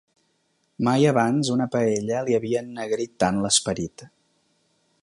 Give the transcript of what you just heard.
Mai abans una paella li havia ennegrit tant l'esperit.